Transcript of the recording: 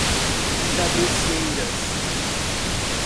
Cabeceiras